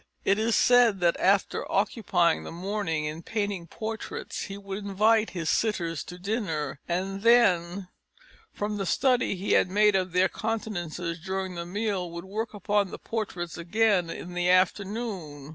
It is said that after occupying the morning in painting portraits he would invite his sitters to dinner, and then, from the study he had made of their countenances during the meal, would work upon the portraits again in the afternoon.